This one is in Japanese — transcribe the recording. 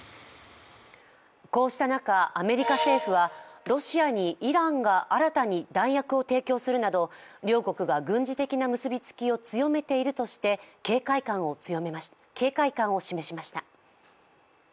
こうした中、アメリカ政府はロシアにイランが新たに弾薬を提供するなど両国が軍事的な結びつきを強めているとして警戒感を示しました。